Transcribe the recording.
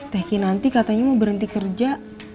teh kinanti katanya mau berhenti kerja